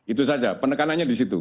itu saja penekanannya di situ